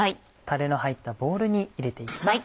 タレの入ったボウルに入れて行きます。